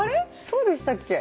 そうでしたっけ？